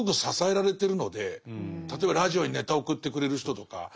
例えばラジオにネタ送ってくれる人とか。